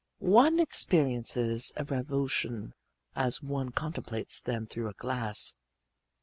One experiences a revulsion as one contemplates them through a glass.